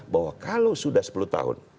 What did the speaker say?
bahwa kalau sudah sepuluh tahun